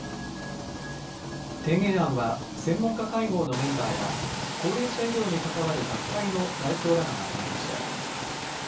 提言案は専門家会合のメンバーや高齢者医療に関わる学会の代表らがまとめました。